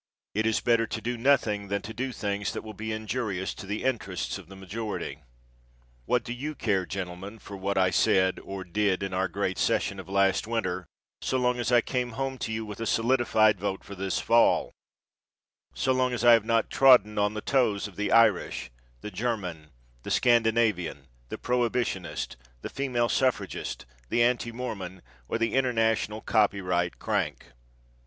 It is better to do nothing than to do things that will be injurious to the interests of the majority. What do you care, gentlemen, for what I said or did in our great session of last winter so long as I came home to you with a solidified vote for this fall; so long as I have not trodden on the toes of the Irish, the German, the Scandinavian, the prohibitionist, the female suffragist, the anti mormon, or the international copyright crank?